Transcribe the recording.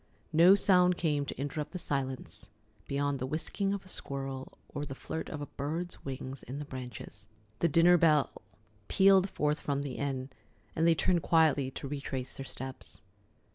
No sound came to interrupt the silence beyond the whisking of a squirrel or the flirt of a bird's wings in the branches. The dinner bell pealed forth from the inn, and they turned quietly to retrace their steps.